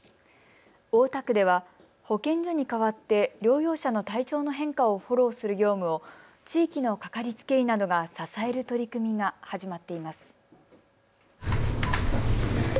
大田区では保健所に代わって療養者の体調の変化をフォローする業務を地域の掛かりつけ医などが支える取り組みが始まっています。